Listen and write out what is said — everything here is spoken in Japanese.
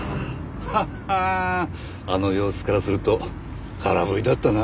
ははんあの様子からすると空振りだったな。